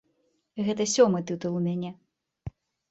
Гэта сёмы тытул у мяне.